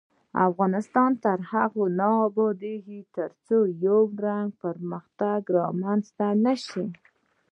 افغانستان تر هغو نه ابادیږي، ترڅو یو رنګی پرمختګ رامنځته نشي.